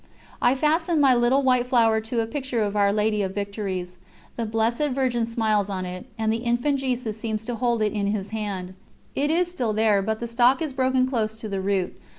I fastened my little white flower to a picture of Our Lady of Victories the Blessed Virgin smiles on it, and the Infant Jesus seems to hold it in His Hand. It is there still, but the stalk is broken close to the root.